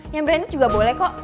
yang brand nya juga boleh kok